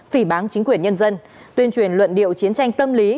phỉ bán chính quyền nhân dân tuyên truyền luận điệu chiến tranh tâm lý